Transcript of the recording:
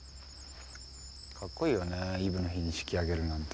かっこいいよねイブの日に式挙げるなんて。